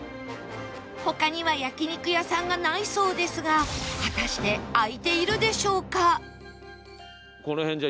他には焼肉屋さんがないそうですが果たして開いているでしょうか？